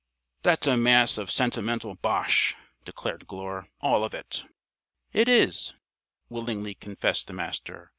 "That's a mass of sentimental bosh," declared Glure. "All of it." "It is," willingly confessed the Master.